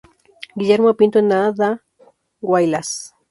Guillermo Pinto en Andahuaylas.